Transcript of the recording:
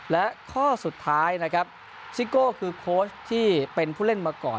และข้อสุดท้ายนะครับซิโก้คือโค้ชที่เป็นผู้เล่นมาก่อน